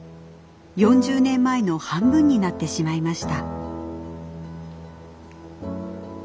４０年前の半分になってしまいました。